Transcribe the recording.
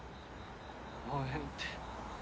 応援って。